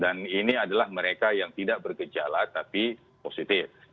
dan ini adalah mereka yang tidak bergejala tapi positif